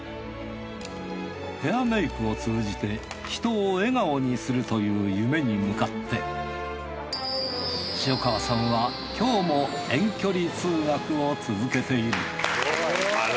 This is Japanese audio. ヘアメイクを通じて人を笑顔にするという夢に向かって塩川さんは今日も遠距離通学を続けているあら。